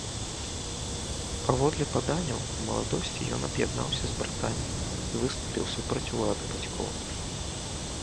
Паводле паданняў, у маладосці ён аб'яднаўся с братамі і выступіў супраць улады бацькоў.